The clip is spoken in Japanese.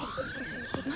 何？